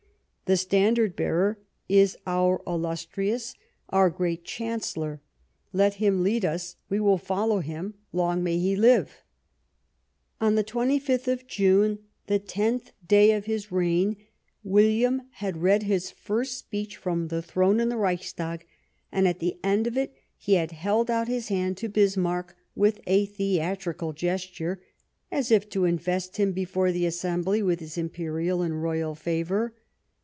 The standard bearer is our illustrious, our great 224 Last Fights Chancellor. Let him lead us ; we will follow him. Long may he live !" On the 25th of June, the tenth clay of his reign, William had read his first speech from the thrcne in the Reichstag, and at the end of it he had held out his hand to Bismarck with a theatrical gesture, as if to invest him before the Assembly with his Imperial and Royal favour.